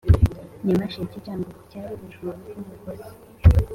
nyamasheke(cyangugu),cyari urwuri rw’umuhozi